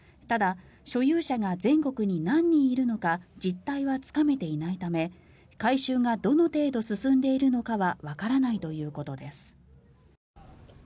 ただ、所有者が全国に何人いるのか実態はつかめていないため回収がどの程度進んでいるのかはわからないということです。